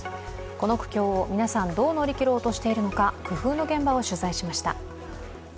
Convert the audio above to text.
この苦境を皆さん、どう乗り切ろうとしているのか、工夫の現場を取材しました。